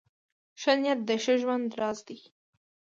ښه نیت د ښه ژوند راز دی .